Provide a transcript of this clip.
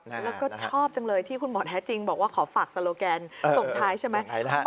แล้วก็ชอบจังเลยที่คุณหมอแท้จริงบอกว่าขอฝากโซโลแกนส่งท้ายใช่ไหม